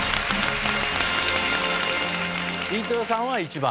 飯豊さんは１番。